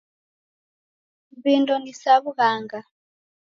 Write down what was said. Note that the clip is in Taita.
Vindo ni sa w'ughanga.